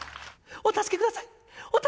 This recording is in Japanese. お助けください。